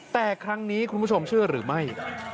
แต่ครั้งนี้คุณผู้ชมเชื่อหรือไม่